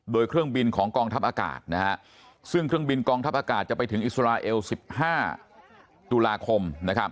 โดยเครื่องบินของกองทัพอากาศซึ่งเครื่องบินกองทัพอากาศจะไปถึงอิสราเอล๑๕ตุลาคม